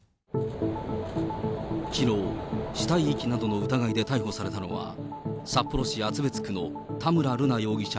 きのう、死体遺棄などの疑いで逮捕されたのは、札幌市厚別区の田村瑠奈容疑者